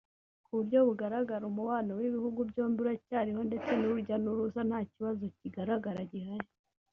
Ku buryo bugaragara umubano w’ibihugu byombi uracyariho ndetse n’urujya n’uruza nta kibazo kigaragara gihari